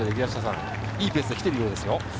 いいペースで来ているようですよ。